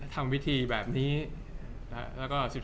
จากความไม่เข้าจันทร์ของผู้ใหญ่ของพ่อกับแม่